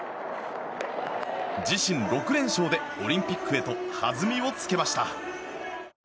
自身６連勝でオリンピックへとはずみをつけました。